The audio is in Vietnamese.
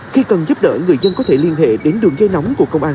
khi cần giúp đỡ người dân có thể liên hệ đến đường dây nóng của công an